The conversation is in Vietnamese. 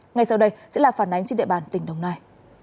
ngay sau đây sẽ là phản ánh trên địa bàn tỉnh đồng nai